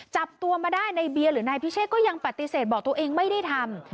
จับตัวมาได้ในเบียร์หรือนายพิเชษก็ยังปฏิเสธบอกตัวเองไม่ได้ทำ